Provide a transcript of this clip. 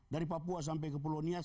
dari papua sampai ke pulau nias